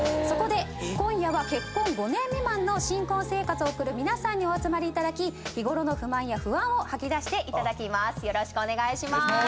そこで今夜は結婚５年未満の新婚生活を送る皆さんにお集まりいただき日ごろの不満や不安を吐き出していただきます。